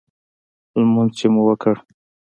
لمونځ چې مو وکړ.